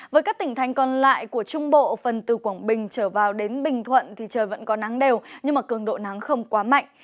với các tỉnh thành còn lại của trung bộ phần từ quảng bình trở vào đến bình thuận thì trời vẫn có nắng đều nhưng cường độ nắng không quá mạnh